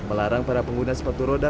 melarang para pengguna sepatu roda